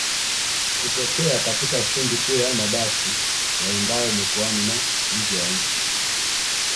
kutokea katika stendi kuu ya mabasi yaendayo mikoani na nje ya nchi